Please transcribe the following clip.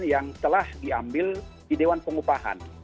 yang telah diambil di dewan pengupahan